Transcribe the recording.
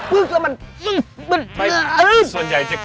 ส่วนใหญ่จะเคลียร์ก่อนแข็งแล้ว